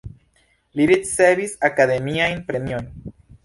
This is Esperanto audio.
Li ricevis akademiajn premiojn.